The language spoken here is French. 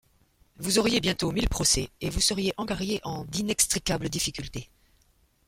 Vous auriez bientôt mille procès, et vous seriez engarriée en d’inextricables difficultés.